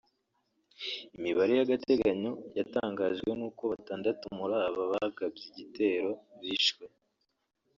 Imibare y’agateganyo yatangajwe ni uko batandatu muri aba bagabye igitero bishwe